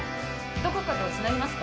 どこかとつなぎますか？